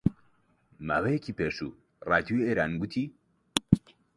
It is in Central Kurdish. ماوەیەکی پێچوو ڕادیۆ ئێران گوتی: